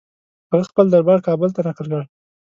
هغه خپل دربار کابل ته نقل کړ.